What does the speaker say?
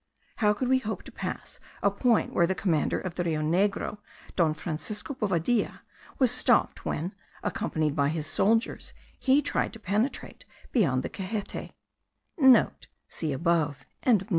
How could we hope to pass a point where the commander of the Rio Negro, Don Francisco Bovadilla, was stopped when, accompanied by his soldiers, he tried to penetrate beyond the Gehette?* (* See above.)